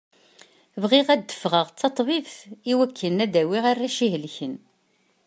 Bɣiɣ ad d-fɣeɣ d taṭbibt iwakken ad dawiɣ arrac ihelken.